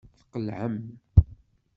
Tqelɛem.